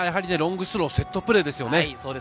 ロングスロー、セットプレーですよね。